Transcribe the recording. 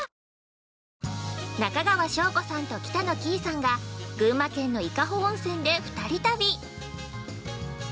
◆中川翔子さんと北乃きいさんが群馬県の伊香保温泉で二人旅。